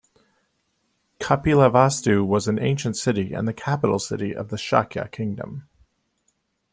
Kapilavastu was an ancient city and the capital city of the Shakya kingdom.